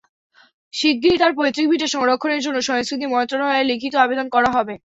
শিগগিরই তাঁর পৈতৃক ভিটা সংরক্ষণের জন্য সংস্কৃতি মন্ত্রণালয়ে লিখিত আবেদন করা হবে।